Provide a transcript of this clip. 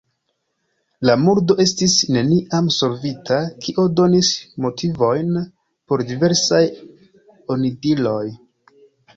La murdo estis neniam solvita, kio donis motivojn por diversaj onidiroj.